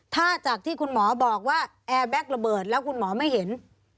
ถ้าจากที่คุณหมอบอกว่าแอร์แบ็คระเบิดแล้วคุณหมอไม่เห็น